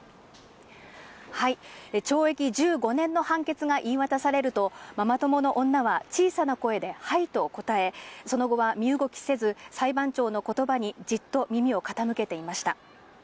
懲役１５年の判決が言い渡されると、ママ友の女は小さな声ではいと答え、その後は身動きせず、裁判長のことばにじっと耳を傾けていました。